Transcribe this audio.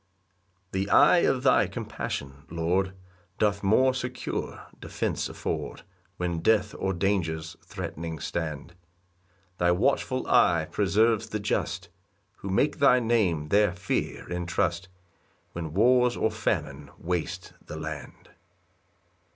3 The eye of thy compassion, Lord, Doth more secure defence afford When death or dangers threatening stand; Thy watchful eye preserves the just, Who make thy name their fear and trust, When wars or famine waste the land.